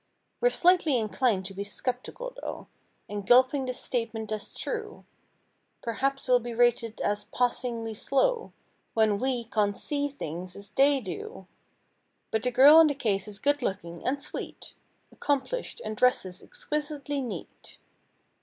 We're slightly inclined to be skeptical though. In gulping this statement as true; Perhaps we'll be rated as "passingly slow" When we can't see things as they do— But the girl in the case is good looking, and sweet; Accomplished, and dresses exquisitely neat.